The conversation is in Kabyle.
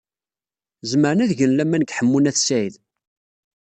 Zemren ad gen laman deg Ḥemmu n At Sɛid.